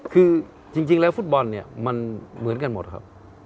คือจริงแล้วฟุตบอลเนี่ยมันเหมือนกันหมดครับ